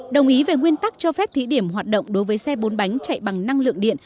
đồng ý về nguyên tắc cho phép thí điểm hoạt động đối với xe bốn bánh chạy bằng năng lượng điện